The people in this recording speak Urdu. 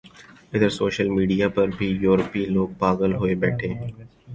ادھر سوشل میڈیا پر بھی ، یورپی لوگ پاغل ہوئے بیٹھے ہیں ۔